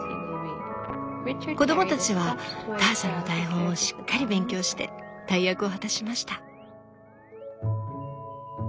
子供たちはターシャの台本をしっかり勉強して大役を果たしました。